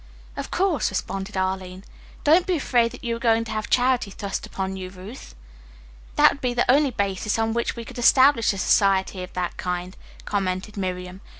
"Of course," responded Arline. "Don't be afraid that you are going to have charity thrust upon you, Ruth." "That would be the only basis on which we could establish a society of that kind," commented Miriam.